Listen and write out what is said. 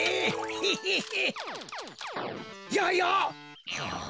ヘヘヘ。